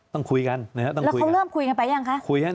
ต้องคุยกันแล้วเขาเริ่มคุยกันไปหรือยังคะ